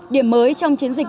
điểm mới trong chiến dịch